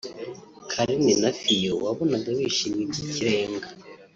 Carine na Fio wabonaga bishimye by’ikirenga